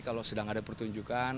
kalau sedang ada pertunjukan